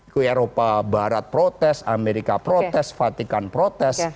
ke eropa barat protes amerika protes fatikan protes